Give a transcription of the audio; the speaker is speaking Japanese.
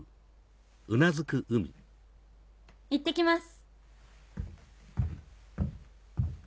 いってきます。